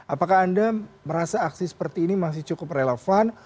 apakah anda merasa aksi seperti ini masih cukup relevan